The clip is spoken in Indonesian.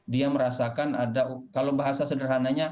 dia merasakan ada kalau bahasa sederhananya